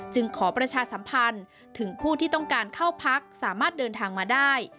ขอประชาสัมพันธ์ถึงผู้ที่ต้องการเข้าพักสามารถเดินทางมาได้